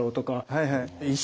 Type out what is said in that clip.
はいはい。